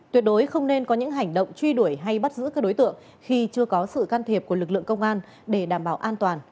tuyệt đối không nên có những hành động truy đuổi hay bắt giữ các đối tượng khi chưa có sự can thiệp của lực lượng công an để đảm bảo an toàn